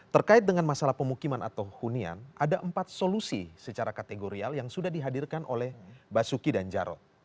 terkait dengan masalah pemukiman atau hunian ada empat solusi secara kategorial yang sudah dihadirkan oleh basuki dan jarot